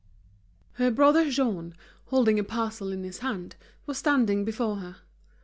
Her brother Jean, holding a parcel in his hand, was standing before her.